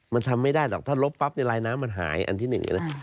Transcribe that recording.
มันทำไม่ได้หรอกถ้าลบปั๊บลายน้ำมันหายอันที่หนึ่งเลยนะ